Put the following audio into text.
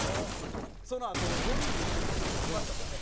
そのあと４人で一緒に飲みに行きましたもんね。